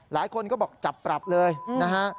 หลายคนก็บอกจับปรับเลยนะฮะ